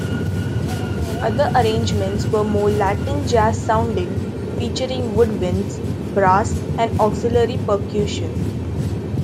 Other arrangements were more Latin jazz-sounding, featuring woodwinds, brass, and auxiliary percussion.